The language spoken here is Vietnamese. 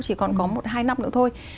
chỉ còn có một hai năm nữa thôi